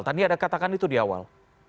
tadi ada katakan itu di awal